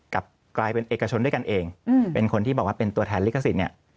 กลับกลายเป็นเอกชนด้วยกันเองเป็นคนที่บอกว่าเป็นตัวแทนลิขสิทธิ์เนี่ย